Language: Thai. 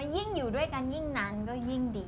ยิ่งอยู่ด้วยกันยิ่งนานก็ยิ่งดี